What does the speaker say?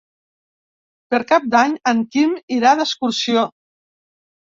Per Cap d'Any en Quim irà d'excursió.